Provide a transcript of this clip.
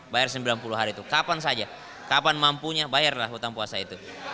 bayar sembilan puluh hari itu kapan saja kapan mampunya bayarlah hutang puasa itu